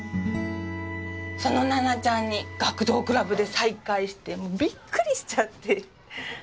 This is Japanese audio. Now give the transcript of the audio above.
その奈々ちゃんに学童クラブで再会してもうびっくりしちゃって。